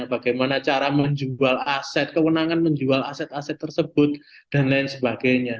bagaimana cara menjual aset kewenangan menjual aset aset tersebut dan lain sebagainya